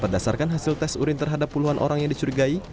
berdasarkan hasil tes urin terhadap puluhan orang yang dicurigai